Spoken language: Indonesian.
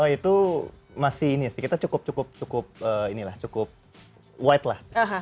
itu masih ini sih kita cukup cukup inilah cukup wide lah